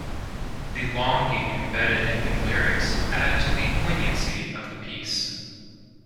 The longing embedded in the lyrics add to the poignancy of the piece.